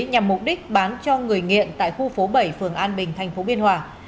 nhằm mục đích bán cho người nghiện tại khu phố bảy phường an bình thành phố biên hòa